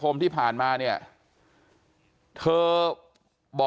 ความปลอดภัยของนายอภิรักษ์และครอบครัวด้วยซ้ำ